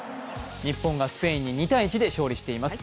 日本がスペインに２−１で勝利しています。